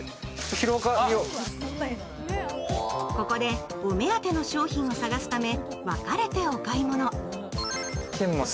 ここでお目当ての商品を探すため分かれてお買い物。